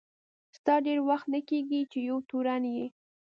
ستا ډېر وخت نه کیږي چي یو تورن یې.